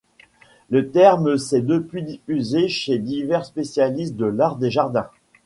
Le terme s'est depuis diffusé chez divers spécialistes de l'art des jardins.